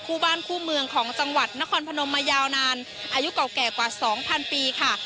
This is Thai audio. คู่บ้านคู่เมืองของจังหวัดนครพนมมายาวนานอายุเก่าแก่กว่าสองพันปีค่ะ